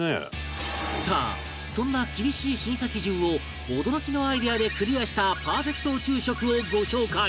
さあそんな厳しい審査基準を驚きのアイデアでクリアしたパーフェクト宇宙食をご紹介